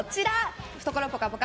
懐ぽかぽか！